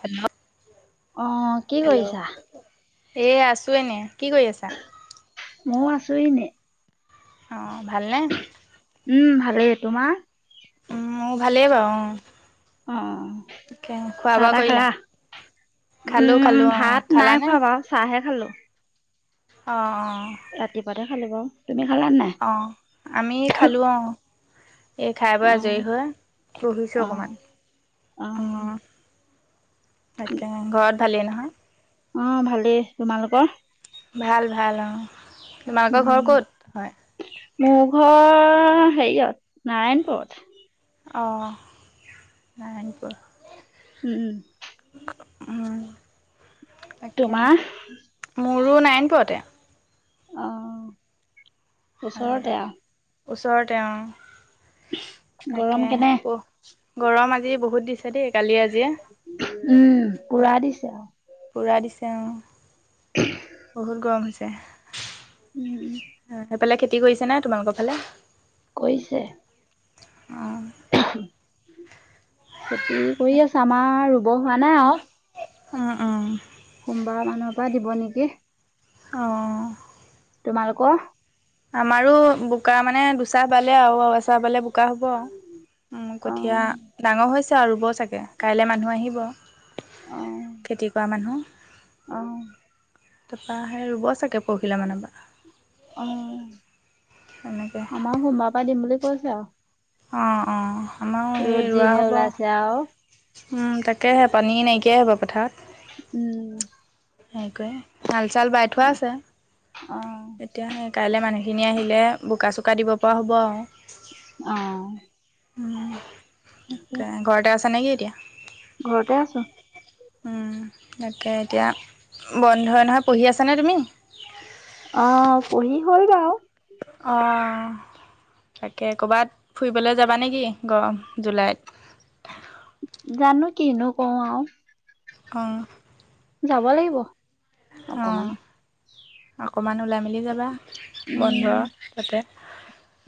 Hello অ কি hello কৰিছা এ আছো এনেই কি কৰি আছা! ময়ও আছো এনেই অ অ ভালনে? উম ভালেই তোমাৰ। উম মো ভালেই বাও। অ অ এতিয়া খোৱা বোৱা কৰিলা খালোঁ উম খালোঁ অঁ ভাত নাই খালানে? খোৱা বাওঁ চাহে খালো। অ অ ভাতে খালো বাওঁ। অ আমি খালো আও এই খাই ব অ আজৰি হৈ বহিছো অ অকণমান, অ অৱ তাকে অ ঘৰত ভালে নহয় অ ভালেই তোমালোকৰ ভাল ভাল অ তোমালোকৰ ঘৰ উম ক'ত, হয় মোৰ ঘৰ হেৰিয়ত, নাৰায়ণপুৰত অ নাৰায়ণপুৰ উম উম উম তাকে তোমাৰ মোৰো নাৰায়ণপুৰতে অ ওচৰতে ওচৰতে অ, গৰম তাকে কেনে উফ গৰম আজি বহুত দিছে দেই কালি আজিয়ে উম একদম পোৰা দিছে আও পুৰা দিছে অ, বহুত গৰম হৈছে। উম সেইফালে খেতি কৰিছে নাই তোমালোকৰ ফালে কৰিছে। অ খেতি কৰি আছোঁ আমাৰ ৰুব হোৱা নাই আৰু অহ অহ সোমবাৰৰ পৰা দিব নেকি অঁহ তোমালোকৰ আমাৰো বোকা মানে দুচাহ বালে আৰু আছে চাবলে বোকা হ'ব অ কঠীয়া ডাঙৰ হৈছে আৰু ৰুব চাগে কাইলৈ মানুহ আহিব অ খেতি কৰা মানুহ অ তাৰপৰা সেই ৰুব চাগে পৰহিলে মানে আমাৰ সোমবাৰৰ পৰা দিম বুলি কৈছে আৰু অঁ অঁ আমাৰো সেই ৰ'দ ৰোৱা যিহে হ'ব। ওলাইছে আৰু উম তাকেহে পানী নাইকিয়াই হব পথাৰত উম। হেৰি হাল চাল বাই থোৱা আছে অ এতিয়া সেই কাইলৈ মানে সেইখিনি আহিলে বোকা চোকা দিব পৰা হ'ব আৰু অহ উ তাকে ঘৰতে আছা নেকি এতিয়া ঘৰতে আছোঁ। তাকে এতিয়া বন্ধই নহয় পঢ়ি আছানে তুমি অ পঢ়ি হ'ল বাও অঁহ তাকে কৰ'বাত ফুৰিবলৈ যাবা নেকি গৰম জুলাইত জানো কিনো কওঁ আও অহ যাব লাগিব। অ অকমান অকমান ওলাই মেলি যাবা বন্ধ উম তাতে।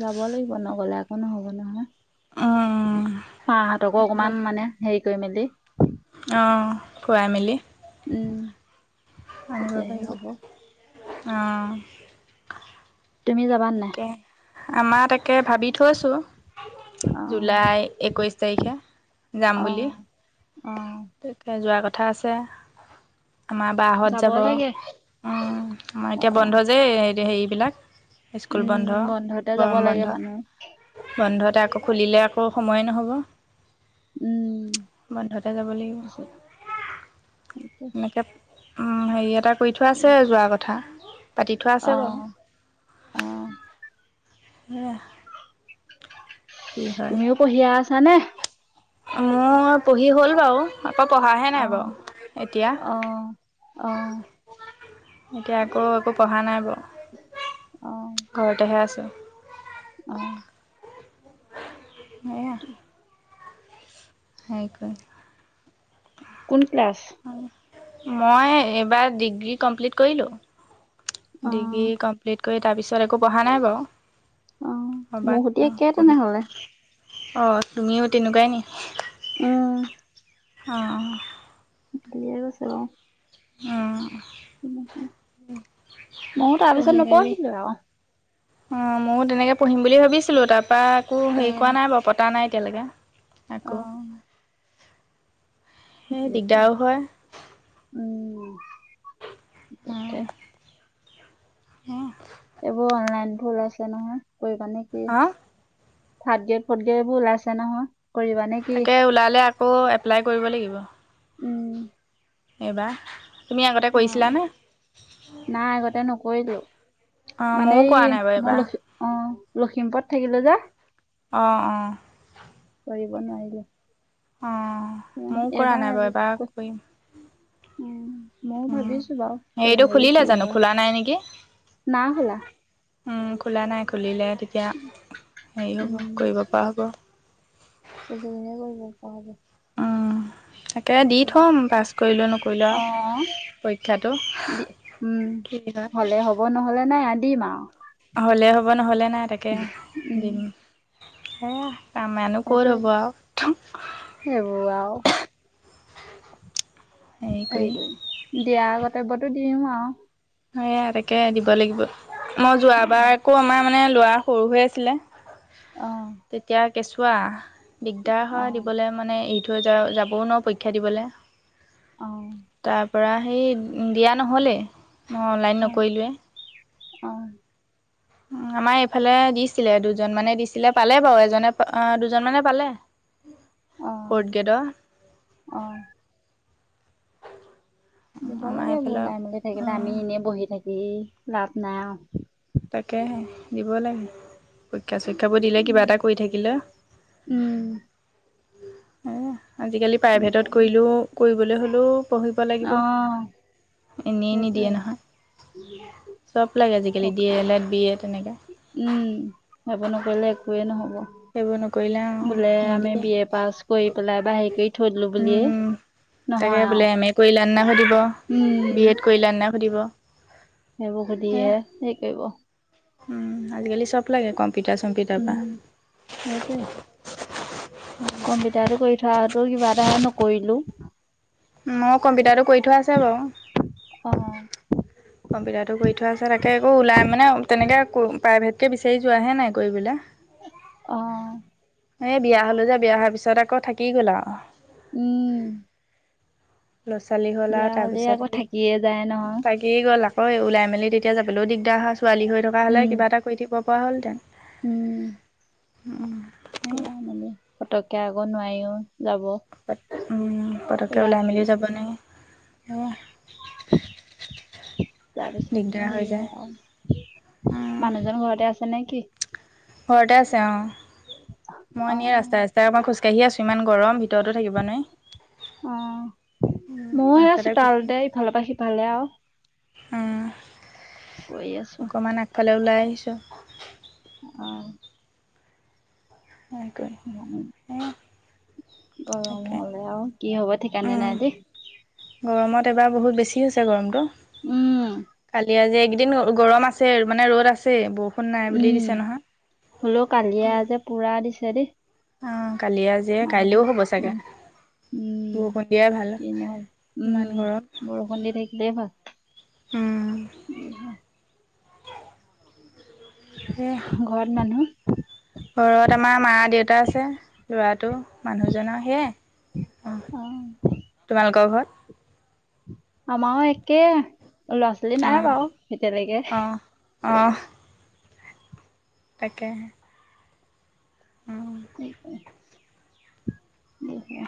যাব লাগিব নগলে আকৌ নহ'ব নহয় উম, মাহতকো অকমান মানে হেৰি কৈ মেলি অঁ খুৱাই মেলি উম অনুনগাবা তেতিয়াহে [unintelligible] হ'ব তুমি যাবা নাই আমাৰ তাকে ভাবি থৈছোঁ অ জুলাই একৈশ তাৰিখে অ যাম বুলি অ তে যোৱাৰ কথা আছে। আমাৰ বাঁহত যাব আমাৰ এতিয়া অকমান বন্ধ যে হেৰিবিলাক স্কুল বন্ধ উম বন্ধতে যাব গৰম বন্ধ লাগে মানুহ বন্ধত তাতে আকৌ খুলিলে আকৌ সময়ে নহ'ব বন্ধতে যাব। লাগিব ে [inaudible] উম হেৰি এটা কৰি থোৱা আছে যোৱা কথা। পাতি থোৱা অ আছে বাৰু অ সে তুমিও পঢ়ি এহ আছানে মোৰ পঢ়ি হ'ল বাৰু আকৌ পঢ়াহে অ নাই বাৰু এতিয়া অ অ এতিয়া আকৌ একো পঢ়া নাই বাৰু ঘৰতেহে আছোঁ। অহ সেয়াহ সেই কৰি লবা কোন ক্লাছ মই এইবাৰ ডিগ্ৰী কমপ্লিট কৰিলোঁ। অ ডিগ্ৰী কমপ্লিট কৰি তাৰ পিছত একো পঢ়া নাই বাৰু। অ মহতি একেই তেনেহলে অ তুমিও তেনেকুৱাই নি? উম অ দলে কৈছে ব [unintelligible] আহ ময়ো তাৰপিছত নপঢ়িলো আৰু অ ময়ো তেনেকে পঢ়িম বুলি ভাবিছিলো, তাৰ পৰা একো অ হেৰি কৰোৱা নাই বাৰ পতা নাই এতিয়ালৈকে অ আক সেই দিগদাৰো হয় উম তাকে হম এইবোৰ অনলাইন ভুল আছে নহয় কৰি পানে কি অঁ থাৰ্ড গ্ৰিয়েড ফৰ্থ গ্ৰিয়েডবোৰ ওলাইছে নহয় কৰিবা নে কি? তাকে ওলালে আকৌ এপ্লাই কৰিব লাগিব উম। এইবাৰ তুমি আগতে অ কৰিছিলনে? নাই আগতে নকৰিলো, অঁ মানে ময়ো কৰা এই নাই বাৰু মই এইবাৰ লখ অ লখিমপুৰত থাকিলো যে অঁ অঁ নোৱাৰো, অঁ ময়ো কৰা নাই এবাৰ বাৰু আৰু ক কৰিম উ ময়ও উম, ভাবিছো বাৰু হেৰিটো কৰিম বুলি খুলিলে কি জানো হয় খোলা নাই নেকি? নাও হলা উম খোলা নাই খুলিলে তেতিয়া হেৰি হ'ব উম কৰিব পৰা হ'ব। কৰিবহে কৰিব পৰা হ'ব উম, তাকে দি থ'ম পাছ কৰিলোঁ নকৰিলোঁ অ আৰু পৰীক্ষাটো। উম কি হয় হলে হ'ব নহ'লে নাই আ দিম আৰু হ'লে হ'ব নহ'লে নাই তাকে উম দিম এ আমাৰনো ক'ত সেইটোৱে হ'ব আৰু সেইবোৰ আৰু হেৰি কৰি দিয়াৰ আগতব্য [unintelligible] তো দিও আৰু সেয়েহে তাকে দিব লাগিব, মই যোৱাবাৰ উম, আকৌ আমাৰ মানে লৰা সৰু হৈ আছিলে অ তেতিয়া কেঁচুৱা দিগদাৰ অ হয় দিবলৈ মানে এইটো থৈ যা যাবও নো পৰীক্ষা দিবলৈ অ ত তাৰ পৰা সেই দিয়া নহ'লেই মই অনলাইন নকৰিলোৱেই অঁ উম। আমাৰ এইফালে দিছিলে দুজন মানে দিছিলে পালে বাৰু এজনে দুজন মানে পালে অ ফৰগ্ৰেডৰ অ অ দিব আমাৰ লাগে এইফালৰ বলাই মেলি থাকিলে আমি এনেই বহি থাকি লাভ নাই আৰু তাকে দিব লাগে। পৰীক্ষাবোৰ চৰীক্ষা বোৰ দিলে কিবা এটা কৰি থাকিলে উম। আজিকালি দিব প্ৰাইভেটত লাগে। কৰিলেও কৰিবলৈ হ'লেও পঢ়িব অ' লাগিব। এনেই নিদিয়ে সেইটোৱে নহয়, চব লাগে আজিকালি থকা। B A L Ed B Ed তেনেকৈ উম সেইবোৰ নকৰিলে একোৱেই নহব। সেইবোৰ নকৰিলে আৰু বোলে আমি নিদিয়ে বি এ পাছ কৰি পেলাই বাাহিৰ কৰি থৈ দিলোঁ বুলিয়ে উম তাকে নহয় আৰু। বোলে এম এ কৰিলা নাই সুধিব উম, বি এড কৰিলা নাই সুধিব। সেইবোৰ সেয়া সুধিহে সেই কৰিব। উম আজিকালি চব লাগে কম্পিউটাৰ চম্পিউটাৰ উম, পৰা। সেইটোৱে কম্পিউটাৰ কৰি থোৱা আৰু কিবা এটা নকৰিলো। মই কম্পিউটাৰটো কৰি থোৱা আছে অ', বাৰু কম্পিউটাৰটো কৰি থোৱা আছে তাকে একো ওলাই মানে তেনেকে প্ৰাইভেটকে বিচাৰি যোৱাহে নাই কৰিবলে হয় অহ এ বিয়া হলো যে বিয়া হোৱাৰ পিছত আকৌ থাকি গ'ল আও উম ল'ৰা ছোৱালী হ'ল আৰু বিয়া হ'লে আকৌ তাৰপিছতে থাকিয়ে যায় নহয়। তাগি গ'ল আৰু অঐ ওলাই মেলি তেতিয়া যাবলৈও দিগদাৰ হয় ছোৱালী হৈ থকা হলে উম, কিবা এটা কৰি থাকিব পৰা হলহেতেন। উম। উম উম। মি পতককে আকৌ নোৱাৰিও যাব উম পতকে ওলাই মেলি যাব নে? [unintelligible] তাৰপিছতে দিগদাৰ হেৰি হৈ যায় হয় আৰু উম, মানুহজন ঘৰতে আছে। নেকি ঘৰতে আছে অ অ মই নিয়ে ৰাস্তাই ৰাস্তাই এপাক খোজ কাঢ়ি আছোঁ ইমান গৰম ভিতৰতো থাকিব নোৱাৰি অ ময়ো এয়া আ ৰাস্তাতে চোতালতে ইফালৰ পৰা সিফালে আও অহ গৈ আছো। সিফালে ওলাই আহিছো। অ। সেনেকৈ গৰম হলে আৰু কি হ'ব ঠিকানে উম, নাই দেই গৰমত এবাৰ বহুত বেছি হৈছে গৰমটো উম কালি আজি এইকেইদিন গৰম আছে মানে ৰ'দ আছে বহুত বৰষুণ নাই বুলি উম দিছে হলেও কালিয়ে নহয় যে পুৰা দিছে দেই কালিয়ে আজিয়ে মানুহতে কাইলেও হ'ব চাগে উম উম বৰষুণ দিয়াই ভাল কি নহল উম ইমান গৰম উম, উম হ সেয়া ঘৰত মানুহ ঘৰত আমাৰ মা দেউতা আছে লৰাটো মানুহজনৰ সেয়াই অ তোমালোকৰ ঘৰত আমাৰো একে ল'ৰা ছোৱালী নাই অ', বাৰু এতিয়ালৈকে অ', অ তাকেহে অ', দে সেয়া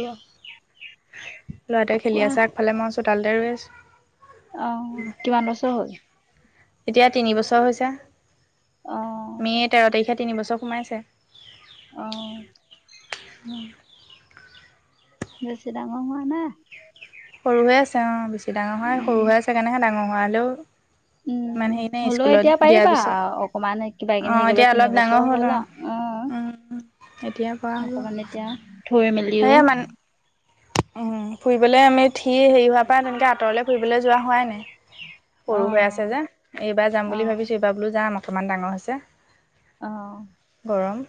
লৰাটোৱে খেলি কোৱা আছে আগফালে মই চোতালতে ৰৈ আছো অ কিমান বছৰ হল এতিয়া তিনিবছৰ হৈছে অ মে' তেৰ তাৰিখে তিনিবছৰ সোমাইছে অহ ম বেছি ডাঙ হোৱা নাই সৰু হৈ আছে অ বেছি ডাঙৰ হোৱা নাই সৰু উম হৈ আছে কেনেকে ডাঙৰ হোৱা হলেও উম ইমান উ হেৰি নাই হলেও স্কুলত এতিয়া দিয়াৰ পাৰিবা পিছত অকনমান কিবা কিনি অ', হেৰি কৰিবলে এতিয়া অলপ ডাঙৰ তিনিবছৰ হ'ল অ', আও উম, অ অকমান এতিয়া থৈ মেলি সেয়ে মান উম ফুৰিবলে আমি থি হেৰি হোৱাৰ পৰা তেনেকে আঁতৰলে ফুৰিবলৈ যোৱা হোৱাই নাই অ সৰু হৈ আছে যে এইবাৰ যাম অ বুলি ভাবিছোঁ এইবাৰ বোলো যাম অকমান ডাঙৰ হৈছে অহ গৰম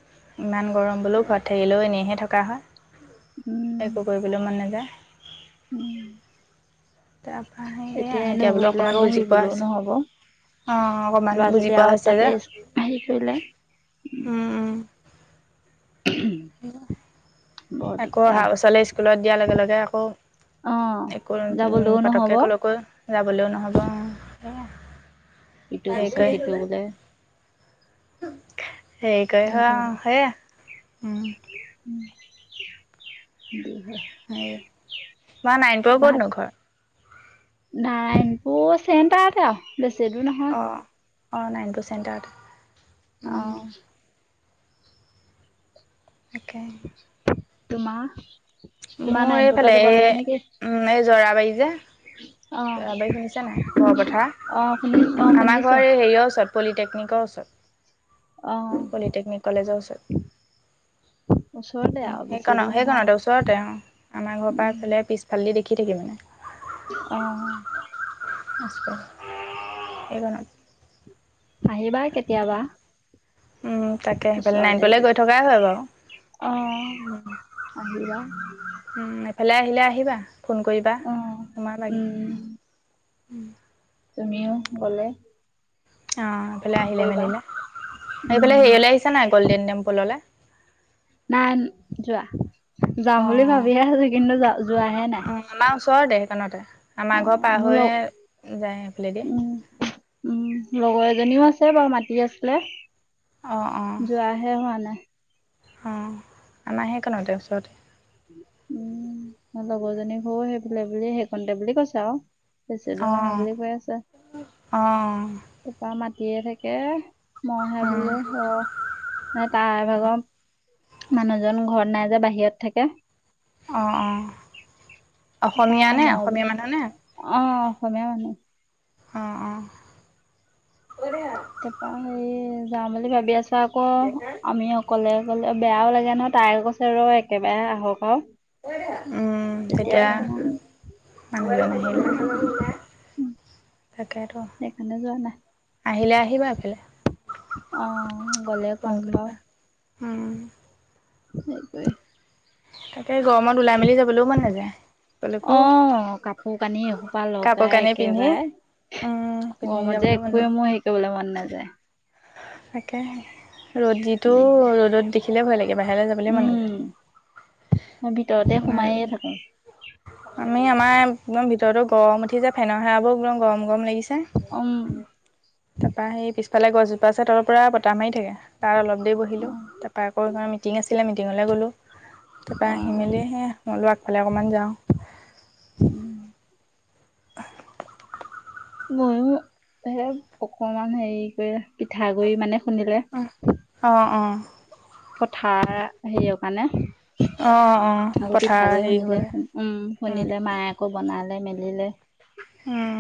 ইমান গৰম বোলো ঘৰত থাকিলেও এনেই হে থকা হয়। উম একো কৰিব মন নেযায় উম তাপৰা সেয়া এতিয়া বোলে নুঘূৰিলে অকণমান আকৌ বুজি পোৱা ঘূৰিবলৈও নহব হৈছে অ অকমান ল'ৰা বুজি ছোৱালী পোৱা আৰু হৈছে তাতে যে হেৰি কৰিলে উম উম উ বৰ আকৌ দিগদাৰ অহাবছলে স্কুলত দিয়াৰ লগে লগে আকৌ অ একো যাবলৈও নহব পতককে কলৈকো যাবলৈও নহ'ব ইটো হেৰি পিছা সিটো বুজায় হে কৰি হ হে উম দুই হেই তোমাৰ নাইনপুৰ ক'ত নো ঘৰ নাইন পু চেণ্টাতে আও বেছি দূৰ নহয় অ নাইন পু চেণ্টাৰটে অহ তাকে তোমাৰ তোমাৰ মোৰ নাৰায়ণপুৰৰ পৰা এইফালে যাব এই লাগে নেকি উম এই জৰাবাৰী যে অ তৰাবাৰ শুনিছা নাই ব পথা অ শুনি অ আমাৰ শুনিছো ঘৰ এই হেৰিয়ৰ ওচৰত পলিটেকনিকৰ অ ওচৰত পলিটেকনিক কলেজৰ ওচৰত ওচৰতে উম, আৰু বেছি দূৰ সেইকণত নহয় সেইকণতে ওচৰতে অ আমাৰ ঘৰৰ পৰা এইফালে পিছফালেদি দেখি খি থাকে মানে অহ [unintelligible] আহিবা কেতিয়াবা উম তাকে সেইফালে নাইনপলে গৈ থকাই হয় বাৰু অহ আহিবা ফালে আহিলে আহিবা ফোন কৰিবা অ সোমাবাহি উম উম তুমিও গ'লে অ এইফালে ফোন আহিলে কৰিবা মেলিলে এইফালে উম হেৰিয়লে আহিছা নাই গ'ল্ডেন টেম্পোললে নাই যোৱা যাম বুলি অ ভাবিয়ে আছোঁ কিন্তু যা যোৱাহে নাই অ আমাৰ ওচৰতে সেইকণতে অ আমাৰ ঘৰ পাৰ মোৰ লগ হৈয়ে যায় সেইফালেদি উম উম লগৰ এজনীও আছে বাৰু মাতি আছিলে যোৱাহে হোৱা নাই অঁ আমাৰ সেকণতে ওচৰতে উম লগৰজনী ঘৰো সেইফালে বুলি সেইকণতে বুলি কৈছে আৱ বেছি অ দূৰ নহয় বুলি কৈ আছে অ অ তাপা মাত তিয়ে থাকে মইহে বোলো ৰহ, এ তাই ভাগ মানুহজন ঘৰত নাই যে বাহিৰত থাকে অঁ অঁহ তাপা মই বো অ অসমীয়া মানুহ অ অহ তাপা সেয়ে যাম বুলি ভাবি আছোঁ আক আমি অকলে বেয়াও লাগে ন তাই কৈছে ৰ একেবাৰে আহক আৱ উম, তেতিয়া আৰু মানুহে নাহিলে তাকেতো সেইকাৰণে যোৱা নাই আহিলে আহিবা এইফালে অ গ'লে ফোন কম বাৱ কৰিবা উম। সেইটোৱে এই গৰমত ওলাই মিলি যাবলৈও মন নেযায়। অ কাপোৰ কানি এসোপা কাপোৰ লগাই কানি পিন্ধি একেবাৰে উম পিন্ধি গৰমত যে যাবলৈও মন একোৱে নাযায় মই হেৰী কৰিবলে মন নাযায়। তাকেহে ৰ'দ যিটো যিহে ৰ'দত দেখিলে ভয় লাগে বাহিৰলৈ যাবলৈ মন উম নযায়। মই ভিতৰতে সোমায়ে থাকোঁ আমি আমাৰ একদম ভিতৰতো গৰম উঠিছে ফেনৰ হাৱাবোৰ একদম গৰম গৰম লাগিছে উম তাপা সেই পিছফালে গছজোপা আছে তাৰ পৰা বতাহ মাৰি থাকে তাত অলপ দেৰি বহিলোঁ অ তাপা আকৌ এখন মিটিং আছিলে মিটিঙলে গ'লো। তাপা অ আহি মেলি সে মই বোলো আগফালে অকমান যাওঁ। উম [unintelligible] ময়ো সে অকমান হেৰী কৰি পিঠাগুৰি মানে খুন্দিলে অঁ অঁ অঁ পথাৰ হেৰীয় কাৰণে অঁ আকৌ পথাৰ পিঠাগুৰি হেৰি খুন্দিলে হ'বগৈ উম খুন্দিলে মায়ে আকৌ বনা লে মেলিলে উম।